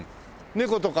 猫とか。